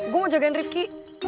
gue mau jagain rifki